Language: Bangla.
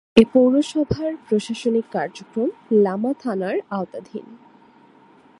এ পৌরসভার প্রশাসনিক কার্যক্রম লামা থানার আওতাধীন।